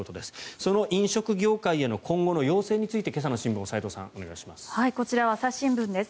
その飲食業界への今後の要請について今朝の新聞を斎藤さん、お願いします。